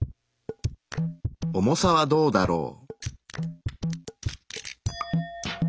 重さはどうだろう？